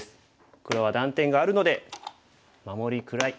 黒は断点があるので守りくらい。